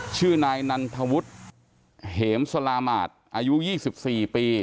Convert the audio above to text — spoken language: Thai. ชื่อนายนันทวุธเหมสลามารอายุยี่สิบสี่ปี